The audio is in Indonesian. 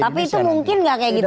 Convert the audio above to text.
tapi itu mungkin gak kayak gitu